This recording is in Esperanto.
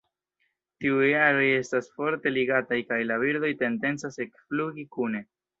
Tiuj aroj estas forte ligataj kaj la birdoj tendencas ekflugi kune.